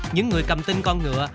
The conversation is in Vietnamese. những người cầm tin con ngựa